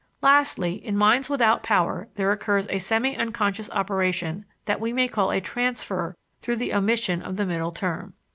Lastly, in minds without power, there occurs a semi unconscious operation that we may call a transfer through the omission of the middle term.